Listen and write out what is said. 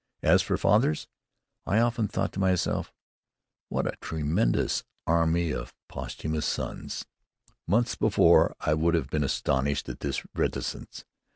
As for fathers, I often thought to myself, "What a tremendous army of posthumous sons!" Months before I would have been astonished at this reticence.